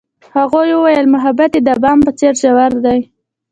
هغې وویل محبت یې د بام په څېر ژور دی.